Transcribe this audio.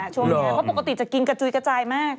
ช่วงนี้เพราะปกติจะกินกระจุยกระจายมาก